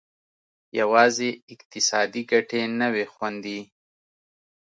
یوازې اقتصادي ګټې نه وې خوندي.